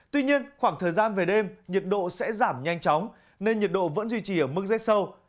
tuy nhiên khoảng thời gian về đêm nhiệt độ sẽ giảm nhanh chóng nên nhiệt độ vẫn duy trì ở mức rét sâu